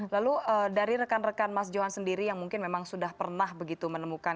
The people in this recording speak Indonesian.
lalu dari rekan rekan mas johan sendiri yang mungkin memang sudah pernah begitu menemukan